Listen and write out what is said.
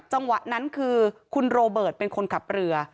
จังหวะนั้นคือคุณโรเบิร์ตเป็นคนขับเรือ